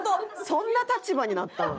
そんな立場になったん？